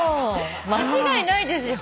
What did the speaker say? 間違いないですよ。